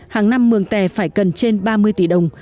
hàng năm mường tè phải cần trên ba mươi tỷ đồng